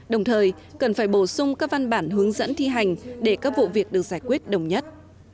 đồng thời cần phải bổ sung các văn bản hướng dẫn thi hành để các vụ việc được giải quyết đồng nhất